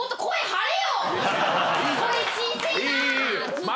はい。